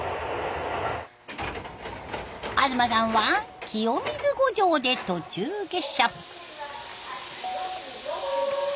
東さんは清水五条で途中下車。